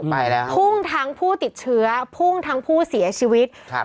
ใหม่แล้วพุ่งทั้งผู้ติดเชื้อพุ่งทั้งผู้เสียชีวิตครับ